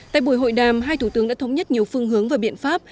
tại buổi hội đàm hai thủ tướng đã thống nhất nhiều phương hướng và biện pháp